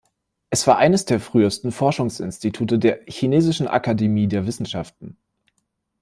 Es war eines der frühesten Forschungsinstitute der Chinesischen Akademie der Wissenschaften.